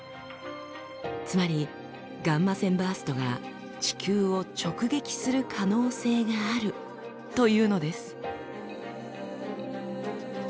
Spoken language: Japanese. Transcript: つまりガンマ線バーストが地球を直撃する可能性があるというのです。